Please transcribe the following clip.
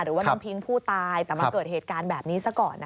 หรือว่าน้องพิงผู้ตายแต่มาเกิดเหตุการณ์แบบนี้ซะก่อน